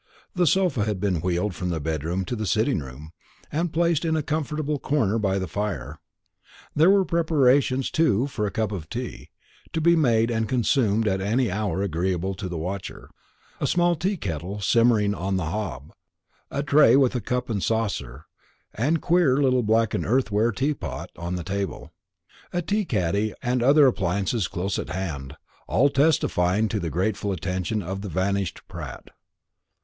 The sofa had been wheeled from the bedroom to the sitting room, and placed in a comfortable corner by the fire. There were preparations too for a cup of tea, to be made and consumed at any hour agreeable to the watcher; a small teakettle simmering on the hob; a tray with a cup and saucer, and queer little black earthenware teapot, on the table; a teacaddy and other appliances close at hand, all testifying to the grateful attention of the vanished Pratt.